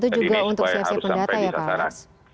data itu juga untuk siap siap pendata ya pak aras